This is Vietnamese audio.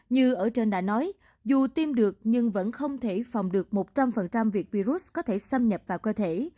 như ở trên đã nói dù tiêm được nhưng vẫn không thể phòng được một trăm linh việc virus có thể xâm nhập vào cơ thể